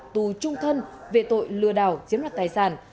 tù trung thân về tội lừa đảo chiếm đoạt tài sản